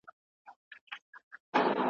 د خپلي مېني له چنارونو `